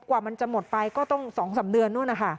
กว่ามันจะหมดไปก็ต้อง๒๓เดือน